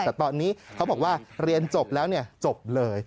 แต่ตอนนี้เขาบอกว่าเรียนจบแล้วจบเลย